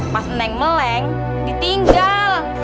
pas neng meleng ditinggal